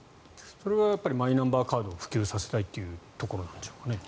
それはやっぱりマイナンバーカードを普及させたいというところなんでしょうかね。